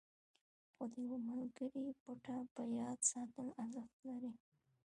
خو د یوه ملګري پته په یاد ساتل ارزښت لري.